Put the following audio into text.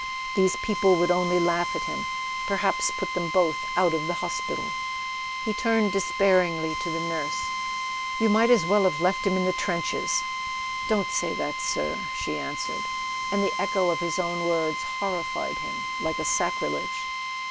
These people would only laugh at him—perhaps put them both out of the hos¬ pital ! He turned despairingly to the nurse. "You might as well have left him in the trenches." "Don't say that, sir," she answered; and the echo of his own words horrified him like a sacrilege.